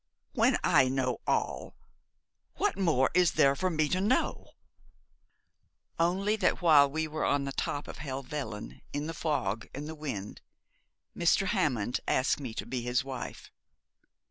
'When I know all! What more is there for me to know?' 'Only that while we were on the top of Helvellyn, in the fog and the wind, Mr. Hammond asked me to be his wife.'